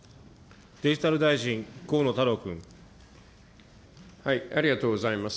デジタル大臣、ありがとうございます。